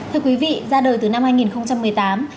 thưa quý vị ra đời từ năm hai nghìn một mươi tám